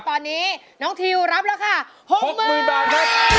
ตอนนี้น้องทิวรับราคา๖๐๐๐บาทครับ